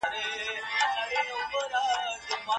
له بلوغ وروسته نجونې د ژور خپګان زیات تجربه کوي.